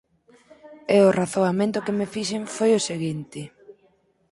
E o razoamento que me fixen foi o seguinte: